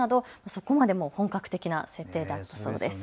そこまで本格的な設定だったそうです。